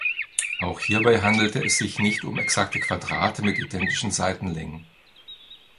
Auch hierbei handelte es sich nicht um exakte Quadrate mit identischen Seitenlängen.